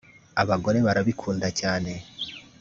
abagore barabikunda cyane